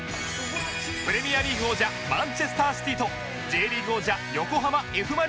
プレミアリーグ王者マンチェスター・シティと Ｊ リーグ王者横浜 Ｆ ・マリノスが対決します